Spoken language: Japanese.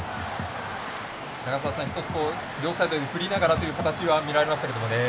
永里さん、両サイドに振りながらという形はみられましたけどもね。